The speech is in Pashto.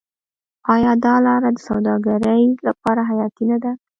آیا دا لاره د سوداګرۍ لپاره حیاتي نه ده؟